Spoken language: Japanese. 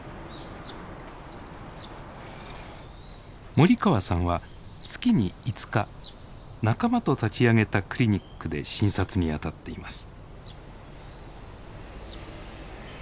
森川さんは月に５日仲間と立ち上げたクリニックで診察にあたっています。